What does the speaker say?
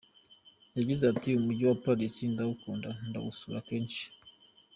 Yagize ati “Umujyi wa Paris ndawukunda, ndawusura kenshi.